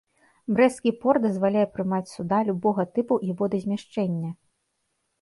Брэсцкі порт дазваляе прымаць суда любога тыпу і водазмяшчэння.